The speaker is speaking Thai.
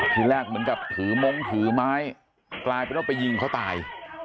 ทีแรกเหมือนกับถือมงค์ถือไม้กลายเป็นว่าไปยิงเขาตาย